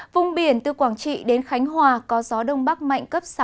vùng biển từ quảng trị đến khánh hòa có gió đông bắc mạnh cấp sáu